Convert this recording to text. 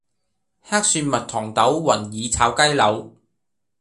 黑蒜蜜糖豆雲耳炒雞柳